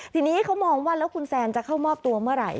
ทีนี้เขามองว่าแล้วคุณแซนจะเข้ามอบตัวเมื่อไหร่